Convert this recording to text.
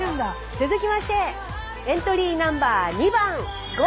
続きましてエントリーナンバー２番。